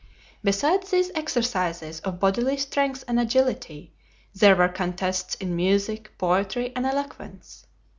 Besides these exercises of bodily strength and agility, there were contests in music, poetry, and eloquence.